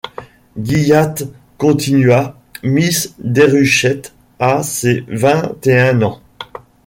Gilliatt continua: — Miss Déruchette a ses vingt et un ans.